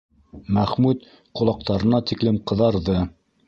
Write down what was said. Мәхмүт ҡолаҡтарына тиклем ҡыҙарҙы.